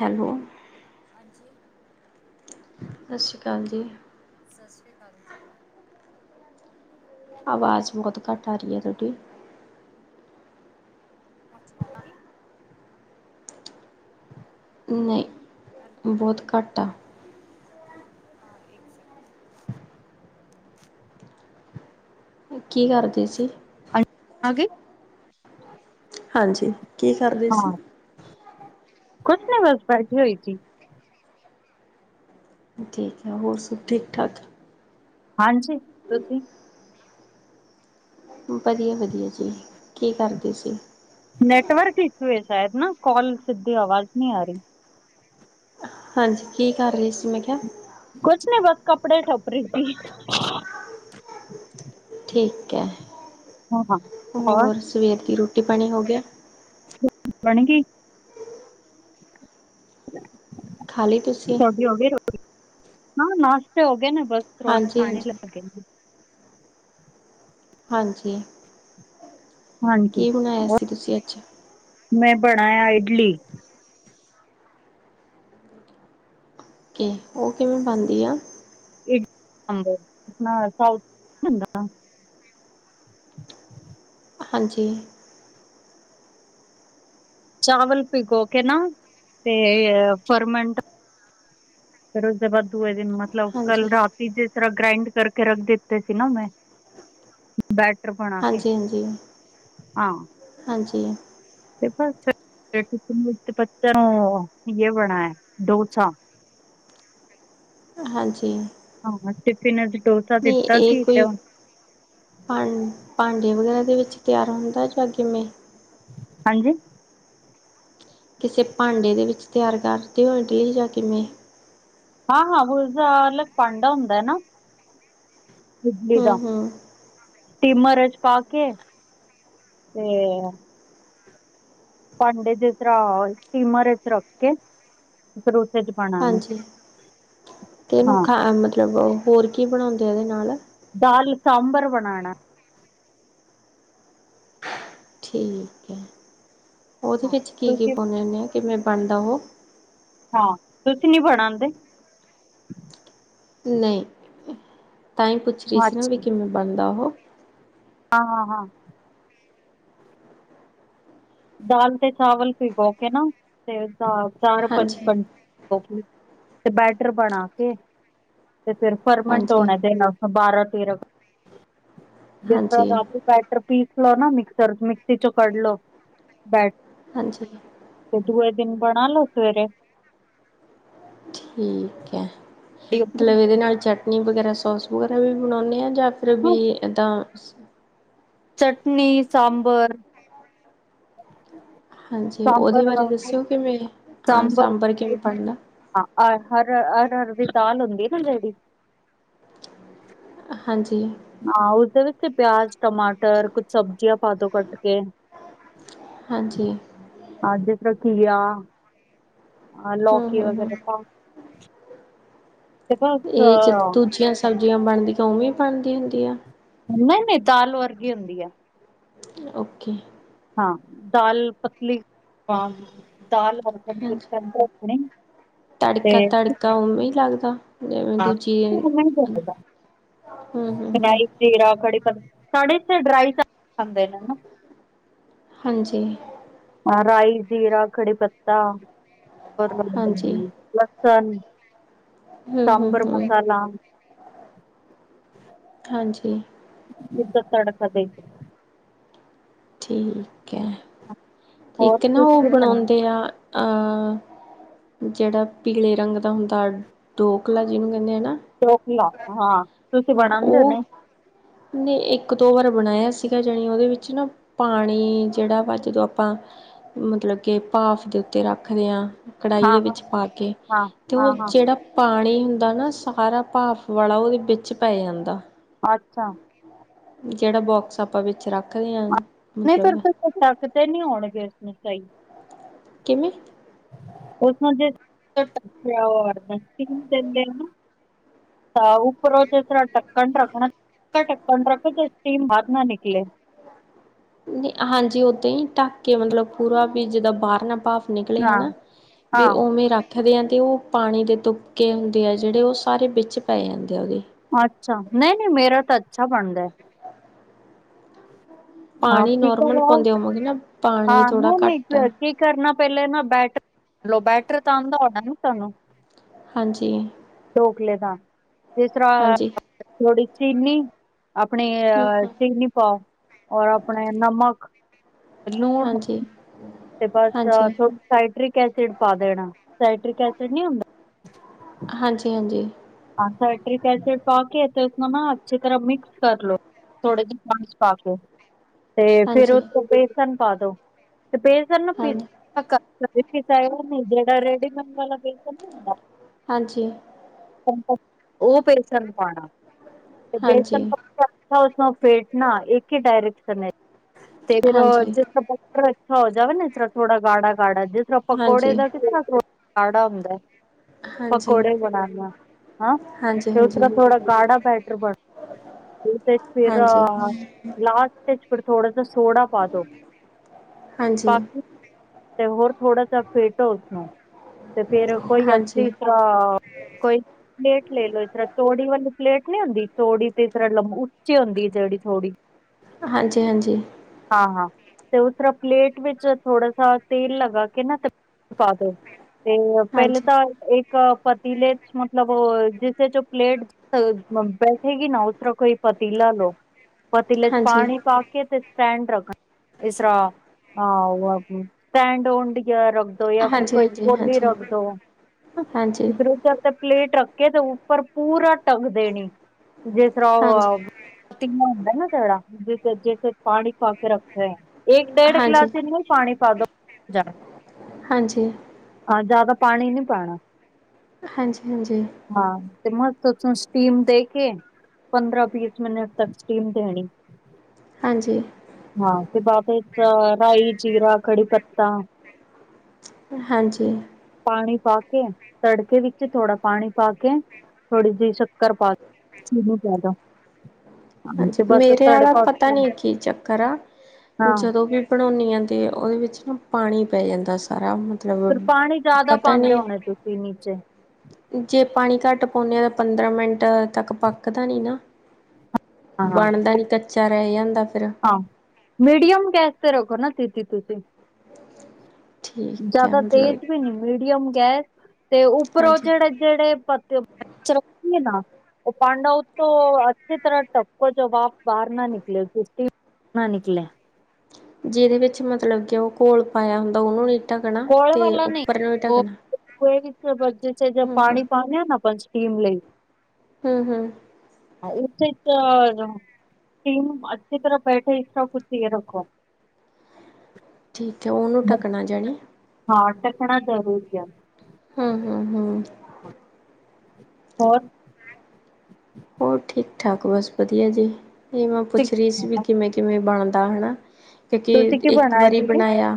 Hello ਹਾਂਜੀ ਸਤਿ ਸ਼੍ਰੀ ਅਕਾਲ ਜੀ। ਸਤਿ ਸ਼੍ਰੀ ਅਕਾਲ ਜੀ। ਆਵਾਜ਼ ਬਹੁਤ ਘੱਟ ਆ ਰਹੀ ਹੈ ਤੁਹਾਡੀ। ਅੱਛਾ ਨਹੀਂ, ਬਹੁਤ ਘੱਟ ਆ। ਇੱਕ ਸੈਕਿੰਡ ਕੀ ਕਰਦੇ ਸੀ? [unintelligible] ਆ ਗਈ। ਹਾਂਜੀ, ਕੀ ਕਰਦੇ ਹਾਂ, ਸੀ? ਕੁਛ ਨੀ ਬਸ ਬੈਠੀ ਹੋਈ ਸੀ। ਠੀਕ ਹੈ ਹੋਰ ਸਭ ਠੀਕ-ਠਾਕ? ਹਾਂਜੀ ਤੁਸੀਂ ਵਧੀਆ-ਵਧੀਆ ਜੀ ਕੀ ਕਰਦੇ ਸੀ? ਨੈਟਵਰਕ ਇਸ਼ੂ ਹੈ ਸ਼ਾਇਦ ਨਾ ਕਾਲ ਸਿੱਧੀ ਆਵਾਜ਼ ਨਹੀਂ ਆ ਰਹੀ। ਹਾਂਜੀ ਕੀ ਕਰ ਰਹੇ ਸੀ ਮੈਂ ਕਿਹਾ? ਕੁਛ ਨੀ ਬਸ ਕੱਪੜੇ ਠੋਪਰੀ ਦੀ। ਠੀਕ ਹੈ, ਹਾਂ ਔਰ ਹੋਰ ਸਵੇਰ ਦੀ ਰੋਟੀ ਪਾਣੀ ਹੋ ਗਿਆ? ਰੋਟੀ ਬਣ ਗਈ। ਖਾ ਲਈ ਤੁਸੀਂ ਹਾਂ ਨਾਸ਼ਤੇ ਹੋ ਗਏ ਨੇ ਬਸ ਰੋਟੀ ਹਾਂਜੀ ਖਾਣ ਹੀ ਹਾਂਜੀ ਲੱਗੇ ਨੇ। ਹਾਂਜੀ ਹਾਂਜੀ, ਕੀ ਬਣਾਇਆ ਸੀ ਤੁਸੀਂ ਅੱਜ ਮੈਂ ਬਣਾਇਆ ਇਡਲੀ। ਓਕੇ ਉਹ ਕਿਵੇਂ ਬਣਦੀ ਆ? [unintelligible] ਹਾਂਜੀ ਚਾਵਲ ਭਿਗੋ ਕੇ ਨਾ, ਤੇ ਫਰਮੰਟ ਫਿਰ ਉਸਦੇ ਬਾਅਦ ਦੂਏ ਦਿਨ ਮਤਲਬ ਹਾਂਜੀ ਕੱਲ ਰਾਤੀ ਜੇ ਤਰ੍ਹਾਂ ਗ੍ਰਾਈੰਡ ਕਰਕੇ ਰੱਖ ਦਿੱਤੇ ਸੀ ਨਾ ਮੈਂ ਬੈਟਰ ਬਣਾ ਕੇ ਹਾਂਜੀ- ਹਾਂਜੀ- ਹਾਂਜੀ ਤੇ [unintelligible] [unintelligible] ਪੱਤਰ ਕੀ ਆ ਬਣਾ ਹੈ ਡੋਸਾ ਹਾਂਜੀ ਹਾਂ ਸਿਫਿਨਜ ਡੋਸਾ ਦਿੱਤਾ ਸੀ ਤੇ ਹਾਂ ਭਾਂਡੇ ਵਗੈਰਾ ਦੇ ਵਿੱਚ ਤਿਆਰ ਹੁੰਦਾ ਜਾਂ ਕਿਵੇਂ? ਹਾਂਜੀ ਕਿਸੇ ਭਾਂਡੇ ਦੇ ਵਿੱਚ ਤਿਆਰ ਕਰਦੇ ਹੋਏ ਡੀ ਜਾਂ ਕਿਵੇਂ? ਹਾਂ-ਹਾਂ ਉਸਦਾ ਅਲੱਗ ਭਾਂਡਾ ਹੁੰਦਾ ਨਾ। ਇਡਲੀ ਹੂੰ ਦਾ। ਹੂੰ ਸਟੀਮਰ 'ਚ ਪਾ ਕੇ ਤੇ ਭਾਂਡੇ ਦੇ ਤਰਾਂ ਸਟੀਮਰ ਚ ਰੱਖ ਕੇ ਫਿਰ ਉਸੇ ਚ ਪਾਣੀ ਹਾਂਜੀ ਕਿਨੂੰ ਹਾਂ ਖਾਣਾ ਮਤਲਬ ਹੋਰ ਕੀ ਬਣਾਉਂਦੇ ਆ ਉਹਦੇ ਨਾਲ ਦਾਲ ਸਾਂਬਰ ਬਣਾਉਣਾ ਠੀਕ ਹੈ ਉਹਦੇ ਹਾਂ ਵਿੱਚ ਕੀ- ਕੀ ਤੁਸੀਂ ਪਾਂਦੇ ਹੁੰਦੇ ਹਾਂ ਕਿਵੇਂ ਬਣਦਾ ਉਹ ਹਾਂ ਤੁਸੀਂ ਨੀ ਬਣਉਂਦੇ ਨਹੀਂ ਤਾਂ ਹੀ ਪੁੱਛ ਰਹੀ ਸੀ ਨਾ ਵੀ ਅੱਛਾ ਕਿਵੇਂ ਬਣਦਾ ਉਹ ਹਾਂ - ਹਾਂ ਦਾਲ ਤੇ ਚਾਵਲ ਭਗੋ ਕੇ ਨਾ ਤੇ ਉਸਦਾ ਚਾਰ ਹਾਂਜੀ ਪੰਜ ਤੇ ਬੈਟਰ ਬਣਾ ਕੇ ਤੇ ਫਿਰ ਪਰਮਨੈਂਟ ਹਾਂਜੀ ਹੋਣਾ ਚਾਹੀਦਾ ਬਾਰਾਂ ਤੇਰਾਂ ਜਿਸ ਹਾਂਜੀ ਤਰ੍ਹਾਂ ਰੈ ਰਿਪੀਟ ਲੋ ਨਾ ਮਿਕਸਰ ਮਿਕ੍ਸੀ ਚੋਂ ਕਢ ਲੋ ਬੈਟ ਹਾਂਜੀ ਤੇ ਦੂਏ ਦਿਨ ਬਣਾ ਲੋ ਸਵੇਰੇ ਠੀਕ ਹੈ ਮਤਲਬ ਇਹਦੇ ਨਾਲ ਚਟਨੀ ਵਗੈਰਾ ਸੋਸ ਵਗੈਰਾ ਵੀ ਬਣਾਉਂਦੇ ਹਾਂ ਜਾਂ ਫਿਰ ਵੀ ਏਦਾਂ ਚਟਨੀ, ਸਾਂਬਰ ਹਾਂਜੀ ਉਹਦੇ ਸਾਂਬਰ ਬਾਰੇ ਦੱਸਿਓ ਕਿਵੇਂ ਹਾਂ ਸਾਂਬਰ ਕਿਵੇਂ ਬਣਦਾ ਹ ਹਰ ਹਰ ਹਰ ਦੀ ਦਾਲ ਹੁੰਦੀ ਨਾ ਜਿਹੜੀ ਹਾਂਜੀ ਹਾਂ ਉਸਦੇ ਵਿੱਚ ਪਿਆਜ, ਟਮਾਟਰ ਕੁਛ ਸਬਜ਼ੀਆਂ ਪਾਦੋ ਕੱਟ ਕੇ ਹਾਂਜੀ ਹਾਂ ਜਿਸ ਤਰ੍ਹਾਂ ਕੀਆ ਹੂੰ ਲਕੋਈ ਹੂੰ ਹੂੰ ਵਗੈਰਾ ਤੇ ਬਸ ਇਹ ਜ ਦੂਜੀਆਂ ਸਬਜ਼ੀਆਂ ਬਣਦੀਆਂ ਉਵੇਂ ਬਣਦੀ ਹੁੰਦੀ ਆ ਉਨੇ ਮੇ ਦਾਲ ਵਰਗੀ ਹੁੰਦੀ ਆ ਓਕੇ ਹਾਂ ਦਾਲ ਪਤਲੀ ਪੰਪ ਦਾਲ ਹਾਂਜੀ [unintelligible] ਤੇ ਤਾਂ ਉਵੇਂ ਹੀ ਲੱਗਦਾ ਜਿਵੇਂ ਦੂਜੀ ਵਾਰੀ ਤੇ ਹੂ ਹੂ ਹੂ ਰਾਈ ਜੀਰਾ ਕੜੀ ਪ ਸੜੇਥੇ ਡਰਾਈ ਖਾਂਦੇ ਨੇ ਹਨਾ ਹਾਂਜੀ ਰਾਈਸ ਜੀਰਾ ਖੜੀ ਪੱਤਾ ਹੋਰ ਹਾਂਜੀ ਲਸਨ ਹੂੰ ਹੂੰ ਸਾਂਬਰ ਹੂੰ ਮਸਾਲ ਹਾਂਜੀ ਜਿੱਦਾਂ ਤੜਫਦੇ ਅਤੇ ਠੀਕ ਹੈ ਇੱਕ ਨਾ ਉਹ ਤੁਸੀਂ ਬਣਾ ਬਣਾਉਂਦੇ ਆ ਅ ਜਿਹੜਾ ਪੀਲੇ ਰੰਗ ਦਾ ਹੁੰਦਾ ਡੋਕਲਾ ਜਿਹਨੂੰ ਕਹਿੰਨੇ ਆ ਨਾ ਡੋਕਲਾ ਹਾਂ ਤੁਸੀਂ ਬਣਾਦੇ ਹੋ ਨੇ ਨਈ ਇੱਕ ਦੋ ਵਾਰ ਬਣਾਇਆ ਸੀਗਾ ਜਣੀ ਉਹਦੇ ਵਿੱਚ ਨਾ ਪਾਣੀ ਜਿਹੜਾ ਵਾ ਜਦੋਂ ਆਪਾਂ ਮਤਲਬ ਕਿ ਭਾਫ ਦੇ ਉੱਤੇ ਰੱਖਦੇ ਹਾਂ ਕੜਾਹੀ ਹਾਂ ਦੇ ਹਾਂ ਵਿੱਚ ਪਾ ਕੇ ਹਾਂ ਤੇ ਹਾਂ ਉਹ ਹਾਂ ਜੇਹੜਾ ਪਾਣੀ ਹੁੰਦਾ ਨਾ ਸਾਰਾ ਭਾਫ਼ ਵਾਲਾ ਉਹਦੇ ਵਿੱਚ ਪੈ ਜਾਂਦਾ ਅੱਛਾ। ਜਿਹੜਾ ਬੋਕਸ ਆਪਾਂ ਵਿੱਚ ਰੱਖ ਨਹੀਂ ਫਿਰ ਥੱਕ ਦੇ ਨੀ ਹੋਣਗੇ ਉਸਨੂੰ ਸਹੀ ਕਿਵੇਂ? ਉਸ ਜ ਦਿੰਦੇ ਨਾ ਤਾਂ ਉੱਪਰੋਂ ਜ ਤ ਟਕਣ ਰੱਖਣਾ ਟਕਣ ਰੱਖ ਜੋ ਸਟੀਮ ਬਾਹਰ ਨਾ ਨਿਕਲੇ ਹਾਂਜੀ ਉਦਾਂ ਹੀ ਢੱਕ ਕੇ ਮਤਲਬ ਪੂਰਾ ਵੀ ਜਿੱਦਾਂ ਬਾਹਰ ਨਾ ਪਾ ਨਿਕਲੇ ਹਨਾ ਵੀ ਉਹਵੇਂ ਰੱਖ ਹਵਿਆ ਤੇ ਉਹ ਪਾਣੀ ਦੇ ਤੁੁਪਕੇ ਹੁੰਦੇ ਆ ਜਿਹੜੇ ਉਹ ਸਾਰੇ ਵਿੱਚ ਪੈ ਜਾਂਦੇ ਆ ਉਹਦੇ ਅੱਛਾ ਨਹੀਂ-ਨਹੀਂ ਮੇਰਾ ਤਾਂ ਅੱਛਾ ਬਣਦਾ ਪਾਣੀ ਨੋਰਮਲ ਪਾਉਂਦੇ ਹੋਵੋਗੇ ਨਾ ਪਾਣੀ ਹਾਂ ਥੋੜ੍ਹਾ ਨਹੀਂ ਘੱਟ ਨਹੀਂ ਕੀ ਕਰਨਾ ਪਹਿਲੇ ਨਾ ਬੈਟ ਬੈਟਰ ਤਾਂ ਆੱਦਾ ਹੋਣਾ ਨਾ ਤੁਹਾਨੂੰ ਹਾਂਜੀ ਢੋਕਲੇ ਦਾ ਜਿਸ ਤਰ੍ਹਾਂ ਹਾਂਜੀ ਥੋੜੀ ਚੀਨੀ ਆਪਣੇ ਹੂੰ ਅ ਹੂੰ ਚੀਨੀ ਪਾਓ ਔਰ ਆਪਣੇ ਨਮਕ ਲੂਣ ਹਾਂਜੀ ਤੇ ਬਸ ਹਾਂਜੀ। ਥੋ ਸਾਇਟਰ੍ਰਿਕ ਏਸਿਡ ਪਾ ਦੇਣਾ ਸਾਇਟਰ੍ਰਿਕ ਏਸਿਡ ਨਹੀਂ ਹੁੰਦਾ ਹਾਂਜੀ ਹਾਂਜੀ ਹਾਂ ਸੈਟ੍ਰਿਕ ਏਸਿਡ ਪਾ ਕੇ ਤੇ ਉਸਨੂੰ ਨਾ ਅੱਛੀ ਤਰ੍ਹਾਂ ਮਿਕ੍ਸ ਕਰ ਲੋ ਥੋੜੇ ਜਿਹੇ ਪਾਣੀ ਚ ਪਾ ਕੇ ਤੇ ਫੇਰ ਹਾਂਜੀ ਉਥੋਂ ਬੇਸਨ ਪਾ ਦੋ ਤੇ ਬੇਸਨ ਨ ਹਾਂ ਪੀ ਹਾਂਜੀ। ਨ ਜਿਹੜਾ ਰੇਡੀਮੈਂਡ ਵਾਲਾ ਬੇਸਨ ਨੀ ਹੁੰਦਾ ਹਾਂਜੀ ਉਹ ਬੇਸਣ ਪਾਣਾ ਤੇ ਹਾਂਜੀ ਹਾਂਜੀ ਬੇਸਣ ਹਾਂਜੀ। ਪ ਹਾਊਸ ਨਾਲ ਫੇਟਣਾ ਇੱਕ ਹੀ ਡਾਇਰਕਸ਼ਨ ਚ ਤੇ ਫਿਰ ਹਾਂਜੀ ਜ ਬ [unintelligible] ਹੋ ਜਾਵੇ ਨਾ ਇ ਤਰਾਂ ਥੋੜਾ ਗਾੜਾ ਗਾੜਾ ਜਿਸ ਤਰ੍ਹਾਂ ਪਕੌੜੇ ਹਾਂਜੀ ਦਾ ਕਿਸ ਤਰ੍ਹਾਂ ਗਾੜਾ ਹੁੰਦਾ ਪਕੌੜੇ ਬਣਾਨਾ ਹਂ ਹਾਂਜੀ ਤੇ ਉਸਰ ਥੋੜਾ [unintelligible] ਗਾੜਾ ਬੈਟਰ ਬੜ ਫਿਰ ਹਾਂਜੀ ਲਾਟ [unintelligible] ਤੇ ਫਿਰ ਥੋੜਾ ਜ ਸੋਡਾ ਪਾ ਦੋ ਹਾਂਜੀ ਬਾਕੀ ਤੇ ਹੋਰ ਥੋੜਾ ਜਿਆ ਫੇਟੋ ਉਸਨੂੰ ਤੇ ਫੇਰ ਕੋਈ ਹਾਂਜੀ। ਅੱਛੀ ਹਹ ਕੋਈ [unintelligible] ਪਲੇਟ ਲੈ ਲਓ ਇਸ ਤਰ੍ਹਾਂ ਚੌੜੀ ਵਾਲੀ ਪਲੇਟ ਨੀ ਹੁੰਦੀ ਚੌੜੀ ਤੇ ਇਸ ਤਰ੍ਹਾਂ ਲੰਬ ਉੱਚੀ ਹੁੰਦੀ ਏ ਜੇਹੜੀ ਥੋੜੀ ਹਾਂਜੀ ਹਾਂਜੀ ਹਾਂ ਹਾਂ ਤੇ ਉਸ ਤਰਾ ਪਲੇਟ ਵਿੱਚ ਥੋੜਾ ਸਾ ਤੇਲ ਲਗਾ ਕੇ ਨਾ ਤੇ ਪਾ ਦੋ ਪਹਿਲੇ ਹਾਂਜੀ ਤਾਂ ਇੱਕ ਪਤੀਲੇ ਚ ਮਤਲਬ ਉਹ ਜਿਸ ਇਚ ੳਹ [unintelligible] ਪਲੇਟ ਬੈਠੇਗੀ ਨਾ ਉਸ ਤਰ੍ਹਾਂ ਕੋਈ ਪਤੀਲਾ ਪਤੀਲੇ ਚ ਹਾਂਜੀ ਪਾਣੀ ਪਾ ਸਟਡ ਰ ਇਸਰਾ ਸਟਡਡ ਰ [unintelligible] ਤੇ ਯਾ ਫਿਰ ਹਾਂਜੀ ਕੋਈ ਹਾਂਜੀ ਕੋਲੀ ਰੱਖ ਦੋ ਹਾਂਜੀ ਤੇ ਪਲੇਟ ਰੱਖ ਕੇ ਤੇ ਉੱਪਰ ਪੂਰਾ ਢਕ ਦੇਣੀ ਜਿਸ ਤਰ੍ਹਾਂ ਹਾਂਜੀ ਉਹ ਪਤੀਲਾ ਹੁੰਦਾ ਨਾ ਜਿਹੜਾ ਜੇੇ ਦੇ ਚ ਪਾਣੀ ਪਾ ਕੇ ਰੱਖਿਏ ਏਕ ਡੇਢ ਗਿਲਾਸ ਹਾਂਜੀ ਹਾਂਜੀ ਜਿਨਾਂ ਪਾਣੀ ਪਾ ਦੋ ਹਾਂਜੀ ਹਾਂ ਜ਼ਿਆਦਾ ਪਾਣੀ ਨੀ ਪਾਣਾ ਹਾਂਜੀ ਹਾਂਜੀ ਹਾਂ, ਤੇ ਮਸ ਤੂੰ ਸਟੀਮ, ਦੇ ਕੇ। ਪੰਦਰਾਂ, ਬੀਸ ਮਿੰਟ ਤੱਕ, ਸਟੀਮ ਦੇਣੀ। ਹਾਂਜੀ। ਹਾਂ, ਤੇ ਬਾਬੇ ਰਾਈ, ਜੀਰਾ, ਕੜੀ ਪਤਾ। ਹਾਂਜੀ ਪਾਣੀ ਪਾ ਕੇ ਤੜਕੇ ਦੀ ਥੋੜਾ ਪਾਣੀ ਪਾ ਕੇ ਥੋੜ੍ਹੀ ਜਿਹੀ ਸ਼ੱਕਰ ਪਾ ਕੇ ੳਨੂੰ ਦੇ ਦੋ ਹਾਂਜੀ ਤੇ ਬਸ ਮੇਰੇ ਆਲਾ ਤੜਕਾ ਪਤਾ ਉੱਤੋਂ ਨੀ ਕੀ ਚੱਕਰ ਆ ਹਾਂ ਜਦੋਂ ਵੀ ਬਣਾਉਂਨੀ ਆ ਤੇ ਉਹਦੇ ਵਿੱਚ ਨਾ ਪਾਣੀ ਪੈ ਜਾਂਦਾ ਸਾਰਾ ਮਤ ਫਿਰ ਪਾਣੀ ਜਿਆਦਾ ਪਾਂਦੇ ਹੋਣੇ ਤੁਸੀਂ ਨੀਚੇ ਜੇ ਪਾਣੀ ਘੱਟ ਪਾਉਂਨੇ ਆ ਤਾਂ ਪੰਦਰਾਂ ਮਿੰਟ ਤੱਕ ਪੱਕਦਾ ਨਹੀਂ ਨਾ ਹਾਂ ਬਾਣਦਾ ਨੀ ਕੱਚਾ ਰਹਿ ਜਾਂਦਾ ਫੇਿਰ ਮਿਡੀਅਮ ਗੈਸ ਤੇ ਰੱਖੋ ਨਾ ਦੀਦੀ ਤੁਸੀਂ ਠੀਕ ਹੈ ਜਿਆਦਾ ਤੇਜ ਮਤਲਬ ਵੀ ਨੀ ਮੀਡੀਅਮ ਗੈਸ ਤੇ ਉੱਪਰੋਂ ਹਾਂਜੀ ਜਿਹੜੇ ਜਿਹੜੇ [unintelligible] ਪੀ ਨਾ ਉਹ ਪਾਾਂਡਾ ਔਤੋਂ, ਅੱਛੀ ਤਰਾਂ ਢੋਕੋ, ਜੋ ਭਾਪ ਬਾਹਰ ਨਾ ਨਿਕਲੇ। ਤੀ- ਨਾ ਨਕਲੇੈ [unintelligible] ਜਿਹਦੇ ਵਿੱਚ, ਮਤਲਬ ਕਿ ਉਹ ਘੋਲ ਪਾਇਆ ਹੁੰਦਾ। ਉਹਨੂੰ ਨੀ ਢਕਣਾ, ਤੇ ਉੱਪਰ ਨੂੰ ਹੀ ਢਕਣਾ। ਪਾਣੀ ਪਾਿਆ ਨਾ ਆਪ ਸਟੀਮ ਲਈ [unintelligible] ਹੂੰ- ਹੂੰ। ਇਸੇ ਸਟੀਮ ਨੂੰ, ਅੱਛੀ ਤਰਾਂ, ਬੈਠੇ ਇਸਾ ਕੁਛ ਰੱਖੋ। ਠੀਕ ਹੈ। ਉਹਨੂੰ ਢੱਕਣਾ ਜਾਣੇ। ਹਾਂ, ਟਕਣਾ ਜ਼ਰੂਰੀ ਆ। ਹੂੰ- ਹੂੰ, ਹੂੰ। ਹੋਰ? ਹੋਰ, ਠੀਕ- ਠਾਕ, ਬਸ ਵਧੀਆ ਜੀ। ਇਹ ਮੈਂ ਪੁੱਛ ਰਹੀ ਸੀ। ਵੀ ਕਿਵੇਂ? ਕਿਵੇਂ ਬਣਦਾ? ਹਨਾ, ਕਿਉਂਕਿ ਤੁਸੀਂ ਕੀ ਇੱਕ ਬਣਾਇਆ ਵਾਰੀ ਦੀਦੀ ਬਣਾਇਆ।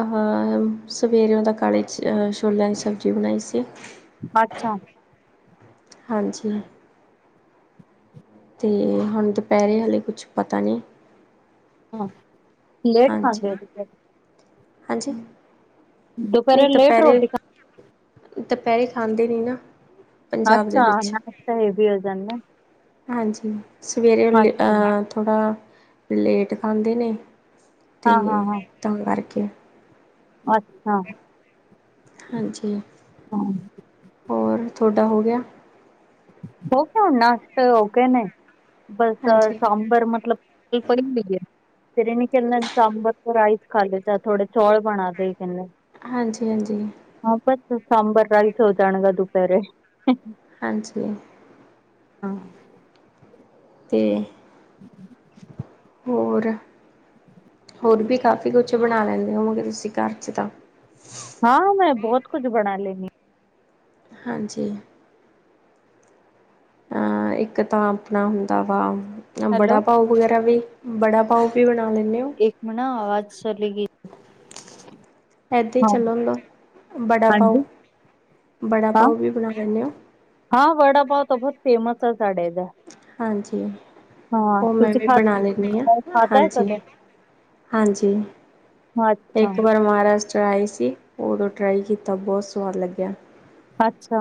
ਹਾ, ਸਵੇਰੇ ਉਹਦਾ, ਕਾਲੇ ਛੋਲਿਆਂ ਦੀ, ਸਬਜ਼ੀ ਬਣਾਈ ਸੀ। ਅੱਛਾ। ਹਾਂਜੀ। ਤੇ ਹੁਣ, ਦੁਪਹਿਰੇ, ਹਾਲੇ ਕੁਛ ਪਤਾ ਨਹੀਂ। ਹਾਂ। ਲੇਟ ਹਾਂਜੀ। ਖਾਂਦੇ ਹੋ ਤੁਸੀਂ ਹਾਂਜੀ। ਨਹੀਂ ਲੇਟ ਦੁਪਹਿਰੇ। ਰੋਟੀ ਖਾ ਦੁਪਹਿਰੇ, ਖਾਂਦੇ ਨੀ, ਨਾ। ਪੰਜਾਬ ਅੱਛਾ, ਦੇ ਵਿੱਚ ਅਾ ਹੈ ਵੀ, ਹੋ ਜਾਂਦਾ। ਹਾਂਜੀ। ਸਵੇਰੇ ਵੇਲੇ ਅੱਛਾ ਤਾਂ, ਥੋੜਾ ਲੇਟ ਖਾਂਦੇ ਨੇ। ਤੇ, ਹਾਂ ਤਾਂ ਕਰਕੇ। ਅੱਛ- ਹਾਂਜੀ। ਹੋਰ, ਤੁਹਾਡਾ ਹੋ ਗਿਆ? ਹੋਣ, ਨਾਸ਼ਟ ਹੋ ਗਏ ਨੇ, ਬਸ ਹਾਂਜੀ ਸਬਰ ਮਤਲਬ। ਪਣੀ ਨਹੀਂ ਹੈ [unintelligible] ਫੇਰ ਇਹ ਨ ਕਹਿੰਦੇ, ਸਾਂਬਰ ਤੇ ਰਾਈਸ ਖਾ ਲਤਾ ਥੋੜੇ ਚੌਲ ਬਣਾ ਦੇ, ਕਹਿੰਦਾ। ਹਾਂਜੀ- ਹਾਂਜੀ। ਹਾਂ ਬਸ, ਸਾਂਬਰ ਰਾਈਸ, ਹੋ ਜਾਣਗਾ ਦੁਪਹਿਰੇ। ਹਾਂਜੀ। ਹਾਂ। ਤੇ, ਹੋਰ? ਹੋਰ ਵੀ ਕਾਫੀ ਕੁਛ, ਬਣਾ ਲੈਂਦੇ ਹੋਵਗੇ, ਤੁਸੀਂ ਘਰ ਚ ਤਾਂ। ਹਾਂ, ਮੈਂ, ਬਹੁਤ ਕੁੱਝ, ਬਣਾ ਲੈਂਣੀ ਹਾਂਜੀ। ਅਹ, ਇੱਕ ਤਾਂ ਆਪਣਾ, ਹੁੰਦਾ ਵਾ, ਤੇ ਏ ਬੜਾ ਪਾਓ। ਤੁਸੀਂ ਬੜਾ ਪਾਓ ਵੀ ਬਣਾ ਲੈਂਦੇ ਹੋ ਇੱਕ ਮ ਨਾ ਆਵਾਜ਼ ਚਲੀ ਗਈ ਇਦੇ ਹੀ ਚੱਲਣੁੰਦਾ ਵੜਾ ਪਓ ਵੜਾ ਪਓ ਵੀ ਬਣਾ ਲੈਂਦੇ ਹ ਹਾਂ, ਵੜਾ, ਪਾਓ ਤਾਂ, ਬਹੁਤ ਫੇਮਸ ਹੈ। ਸਾਡੇ ਦਾ। ਹਾਂਜੀ, ਉਹ ਮੈਂ ਵੀ, ਬਣਾ ਲੈਂਦੀ ਹਾਂ। ਹਾਂਜੀ। ਹਾਂਜੀ। ਇੱਕ ਵਾਰ ਮਹਾਰਾਸ਼ਟਰ ਚ। ਦਰ ਆਈ ਸੀ। ਉਦੋਂ ਟਰਾਈ ਕੀਤਾ, ਬਹੁਤ ਸਵਾਦ ਲੱਗਿਆ। ਅੱਛਾ।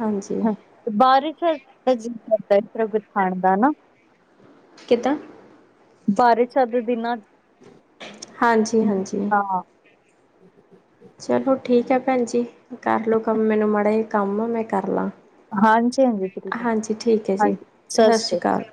ਹਾਂਜੀ ਹ। ਬਾਰਿਸ਼ [unintelligible] ਕਰਦਾ ਇਸਰੋਂ ਕੁਝ ਖਾਣ ਦਾ ਹਨਾ ਕਿੱਦਾਂ? ਬਾਰ ਛੱਤ ਦਿਨਾਂ। ਹਾਂਜੀ- ਹਾਂਜੀ। ਹ ਚਲੋ ਠੀਕ ਹੈ ਭੈਣ ਜ ਕਰਲੋ ਕੰਮ ਮੈਨੂੰ ਮਾੜਾ ਜ ਕੰਮ ਆ ਮੈਂ ਕਰ ਲਾਂ ਹਾਂਜੀ ਹਾਂਜੀ ਬਿਲਕੁਲ ਹਾਂਜੀ ਠੀਕ ਹੈ ਜੀ ਸਤਿ ਸ੍ਰੀ ਅਕਾਲ